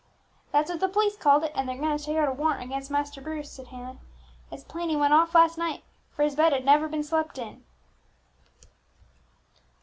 "That's what the p'lice called it; and they're going to take out a warrant against Master Bruce," said Hannah. "It's plain he went off last night, for his bed had never been slept in."